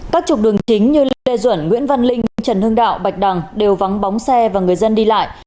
các trục đường chính như lê duẩn nguyễn văn linh trần hưng đạo bạch đằng đều vắng bóng xe và người dân đi lại